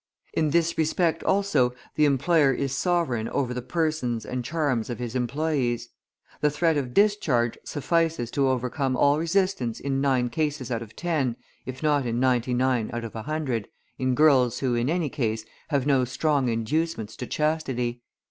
In this respect also the employer is sovereign over the persons and charms of his employees. The threat of discharge suffices to overcome all resistance in nine cases out of ten, if not in ninety nine out of a hundred, in girls who, in any case, have no strong inducements to chastity.